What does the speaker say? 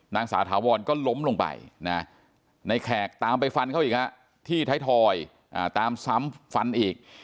นางสาวถาวรก็ล้มลงไปนะในแขกตามไปฟันเขาอีกที่ไทยทอยตามซ้ำฟันอีก